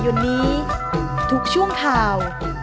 โปรดติดตามตอนต่อไป